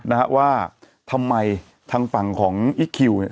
นะฮะว่าทำไมทางฝั่งของอีคคิวเนี่ย